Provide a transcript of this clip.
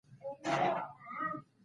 ماريا د پاتې لارې پوښتنه وکړه.